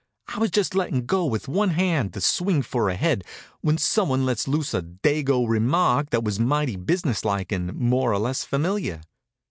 I was just lettin' go with one hand to swing for a head when someone lets loose a Dago remark that was mighty business like and more or less familiar.